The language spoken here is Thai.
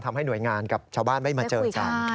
ทำให้หน่วยงานกับชาวบ้านไม่มาเจอกัน